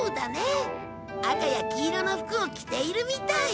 赤や黄色の服を着ているみたい。